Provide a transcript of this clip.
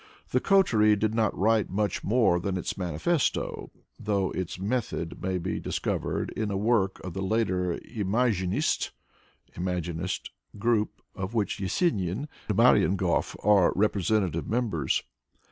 The coterie did not write much more than its manifesto, though its method may be discovered in the work of the later "imazhinist" (imagist) group, of which Yesenin and Marienhof are representative mem bers.